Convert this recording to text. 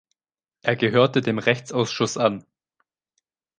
Er gehörte dem Rechtsausschuss an.